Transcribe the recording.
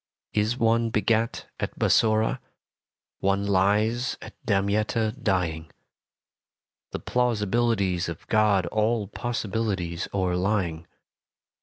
Is one begat at Bassora, One lies at Damietta dying The plausibilities of God All possibles o'erlying.